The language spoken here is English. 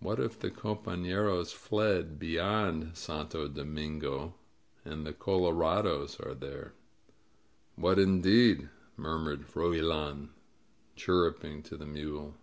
What if the compafleros fled beyond Santo Do mingo and the color ados are there?" "What indeed?" murmured Froilan, chirruping to the mule.